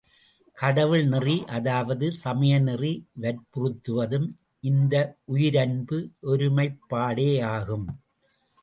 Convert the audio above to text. கடவுள் நெறி அதாவது சமயநெறி வற்புறுத்துவதும் இந்த உயிரன்பு ஒருமைப்பாடே யாகும்.